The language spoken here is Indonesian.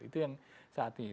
itu yang saat ini